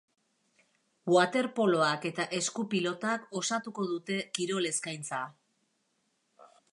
Waterpoloak eta esku-pilotak osatuko dute kirol eskaintza.